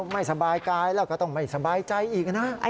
ไม่สบายกายแล้วก็ต้องไม่สบายใจอีกนะ